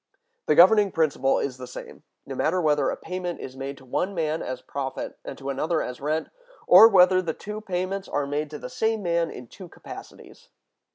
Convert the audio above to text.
The governing principle is the same, no matter whether a payment is made to one man as profit and to another as rent, or whether the two payments are made to the same man in two capacities.